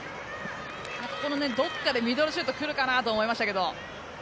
ここのどこかでミドルシュートが来るかと思いましたけど。